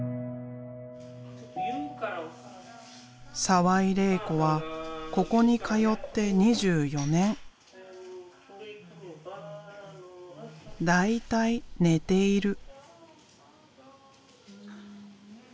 澤井玲衣子はここに通って２４年。大体寝ている。